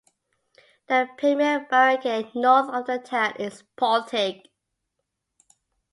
The premier barangay north of the town is Paltic.